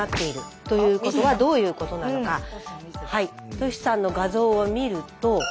トシさんの画像を見ると。